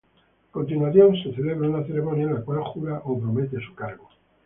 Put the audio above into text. A continuación, se celebra una ceremonia en la cual jura o promete su cargo.